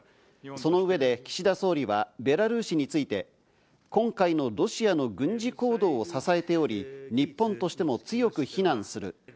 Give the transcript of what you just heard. その上で岸田総理はベラルーシについて、今回のロシアの軍事行動を支えており、日本としても強く非難する。